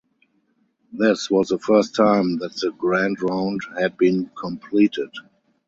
This was the first time that the Grand Round had been completed.